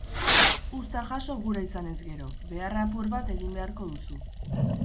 Uzta jaso gura izanez gero, behar apur bat egin beharko duzu.